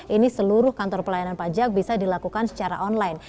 ini seluruh kantor pelayanan pajak bisa dilakukan secara online